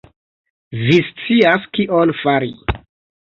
Vi scias kion fari